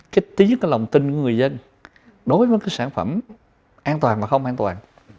cái tí nhất cái lòng tin của người dân đối với mấy cái sản phẩm an toàn và không an toàn